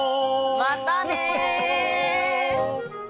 またね！